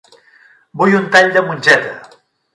Vull un tall de mongeta.